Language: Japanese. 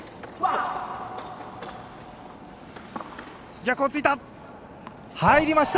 逆をついた！